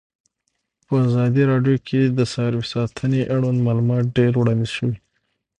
په ازادي راډیو کې د حیوان ساتنه اړوند معلومات ډېر وړاندې شوي.